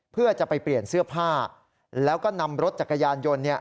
เพื่อจะไปเปลี่ยนเสื้อผ้าแล้วก็นำรถจักรยานยนต์